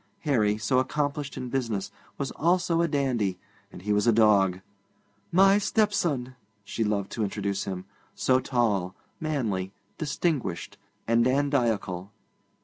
Harry, so accomplished in business, was also a dandy, and he was a dog. 'My stepson' she loved to introduce him, so tall, manly, distinguished, and dandiacal.